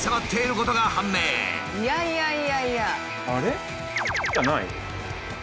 いやいやいやいや。